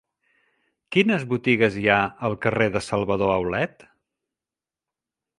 Quines botigues hi ha al carrer de Salvador Aulet?